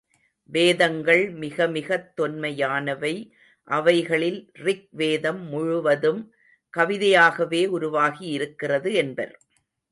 வேதங்கள் மிக மிகத் தொன்மையானவை, அவைகளில் ரிக் வேதம் முழுவதும் கவிதையாகவே உருவாகியிருக்கிறது என்பர்.